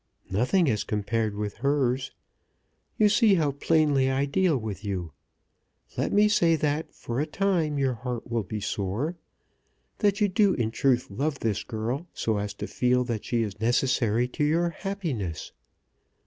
"Nothing as compared with hers. You see how plainly I deal with you. Let me say that for a time your heart will be sore; that you do in truth love this girl so as to feel that she is necessary to your happiness.